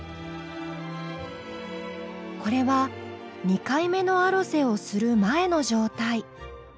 これは２回目のアロゼをする前の状態。